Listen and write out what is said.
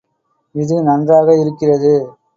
இது நன்றாக இருக்கிறது.